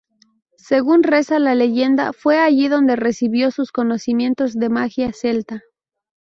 Según reza la leyenda, fue allí donde recibió sus conocimientos de magia celta.